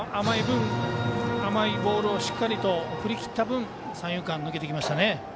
甘いボールをしっかりと振り切った分、三遊間抜けていきましたね。